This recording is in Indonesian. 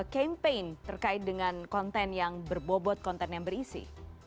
campaign terkait dengan konten yang berbobot konten yang berisi